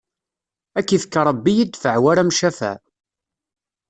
Ad k-ifk Ṛebbi i ddfeɛ war amcafaɛ!